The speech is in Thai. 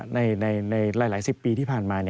ในหลายสิบปีที่ผ่านมา